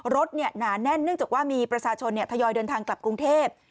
หนาแน่นเนื่องจากว่ามีประชาชนทยอยเดินทางกลับกรุงเทพ